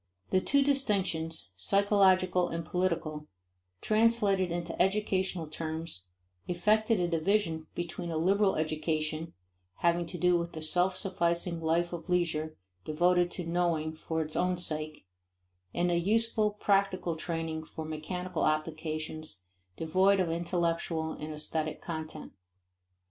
The two distinctions, psychological and political, translated into educational terms, effected a division between a liberal education, having to do with the self sufficing life of leisure devoted to knowing for its own sake, and a useful, practical training for mechanical occupations, devoid of intellectual and aesthetic content.